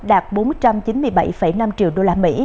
đạt bốn trăm chín mươi bảy năm triệu usd